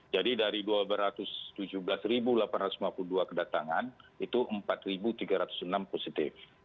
jadi dari dua ratus tujuh belas delapan ratus lima puluh dua kedatangan itu empat tiga ratus enam positif